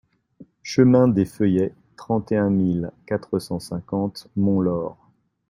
Chemin des Feuillets, trente et un mille quatre cent cinquante Montlaur